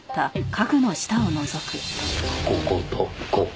こことここ。